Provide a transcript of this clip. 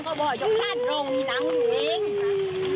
พ่อบอกอย่างชาติเรามีหนังอยู่เอง